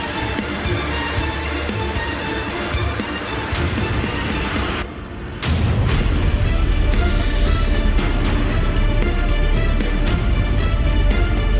สนับสนุนโดยพี่โพเพี่ยวสะอาดใสไร้คราบ